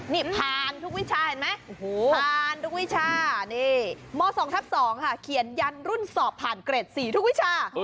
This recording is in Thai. นี่ม๒ทัก๒ค่ะเขียนยันย์รุ่นสอบผ่านเกรด๔ทุกวิชา